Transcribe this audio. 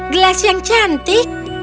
gelas yang cantik